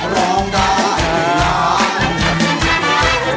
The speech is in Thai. ร้องได้ให้ร้าน